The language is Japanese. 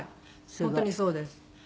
本当にそうです。